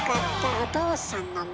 「お父さんのマネ⁉」。